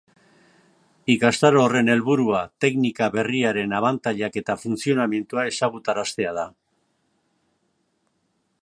Ikastaro horren helburua teknika berriaren abantailak eta funtzionamendua ezagutaraztea da.